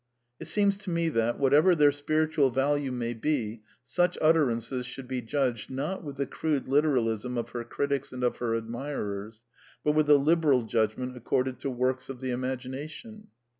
It seems to me that, whatever their spiritual value may be, such utterances should be judged, not with the crude literalism of her critics and of her admirers, but with the liberal judgment accorded to works of the imagination.